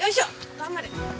頑張れ！